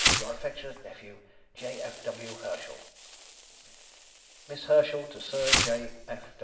Your affectionate nephew, J. F. W. HERSCHEL. MISS HERSCHEL TO SIR J.